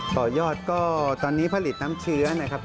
ต่อยอดก็ตอนนี้ผลิตน้ำเชื้อนะครับ